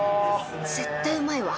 絶対うまいわ。